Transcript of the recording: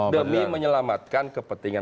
demi menyelamatkan kepentingan